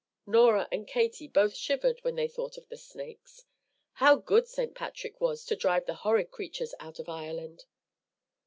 Norah and Katie both shivered when they thought of the snakes. How good St. Patrick was to drive the horrid creatures out of Ireland!